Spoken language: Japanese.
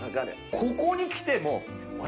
ここに来ても。